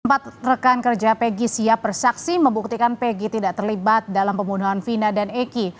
empat rekan kerja pegg siap bersaksi membuktikan pg tidak terlibat dalam pembunuhan vina dan eki